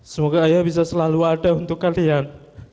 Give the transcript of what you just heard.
semoga ayah bisa selalu ada untuk kalian